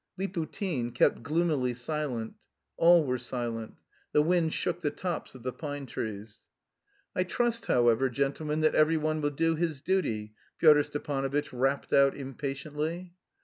Liputin kept gloomily silent. All were silent. The wind shook the tops of the pine trees. "I trust, however, gentlemen, that every one will do his duty," Pyotr Stepanovitch rapped out impatiently.